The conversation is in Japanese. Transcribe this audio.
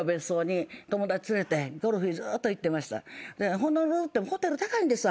ホノルルってホテル高いんですわ。